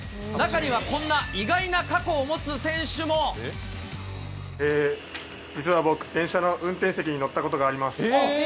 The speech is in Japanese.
中には、こんな意外な過去を持つ実は僕、電車の運転席に乗ったことがあります。